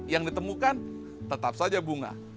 yang ditemukan tetap saja bunga